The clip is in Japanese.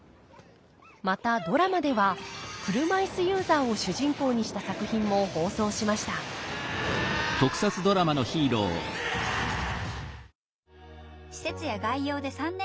またドラマでは車いすユーザーを主人公にした作品も放送しました「施設や外洋で３年間」。